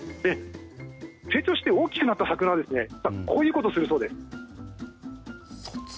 成長して大きくなった魚はこういうことをするそうです。